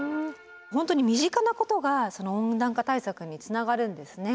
本当に身近なことが温暖化対策につながるんですね。